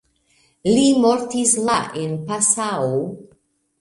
Li mortis la en Passau.